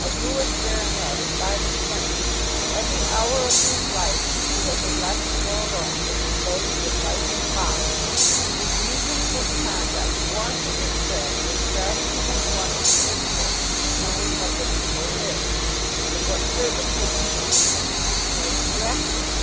A ruined baronet of five and twenty, every hour of whose life since he had been left to go alone had been loaded with vice and folly, whose egregious misconduct warranted his friends in regarding him as one incapable of knowing what principle is, of what service could he be, that he should be made a Director?